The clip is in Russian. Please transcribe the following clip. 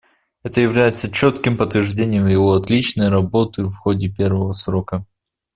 Это является четким подтверждением его отличной работы в ходе первого срока.